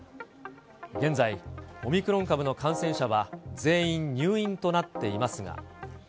現在、オミクロン株の感染者は全員入院となっていますが。